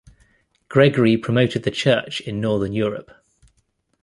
Gregory promoted the Church in northern Europe.